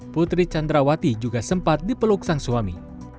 putri candrawati juga sempat dipeluk sang suami